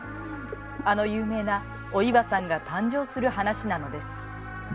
あの有名なお岩さんが誕生する話なのです。